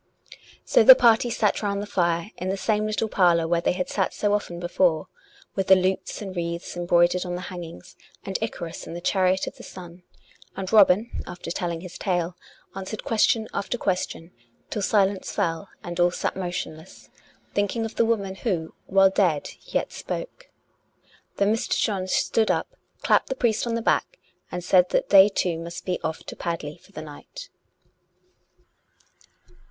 So the party sat round the fire in the same little parlour where they had sat so often before, with the lutes and wreaths embroidered on the hangings and Icarus in the chariot of the sun; and Robin, after telling his tale, an swered question after question, till silence fell, and all sat motionless, thinking of the woman who, while dead, yet spoke. Then Mr. John stood up, clapped the priest on the back, and said that they two must be off to Padley for the night.